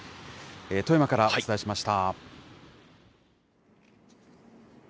富山からお伝えしました。